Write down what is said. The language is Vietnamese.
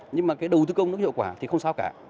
nhưng mà cái đầu tư công nó hiệu quả thì không sao cả